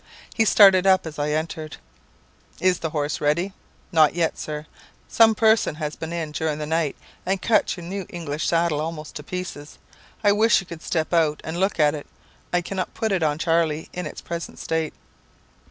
He started up as I entered. "'Is the horse ready?' "'Not yet, Sir. Some person has been in during the night, and cut your new English saddle almost to pieces. I wish you would step out and look at it. I cannot put it on Charley in its present state.'